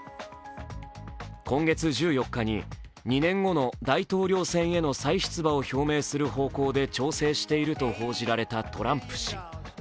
今月１４日に２年後の大統領選は再出馬する方向で調整していると報じられたトランプ氏。